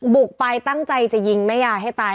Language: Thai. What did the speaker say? บุกไปตั้งใจจะยิงแม่ยายให้ตาย